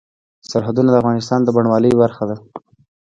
سرحدونه د افغانستان د بڼوالۍ برخه ده.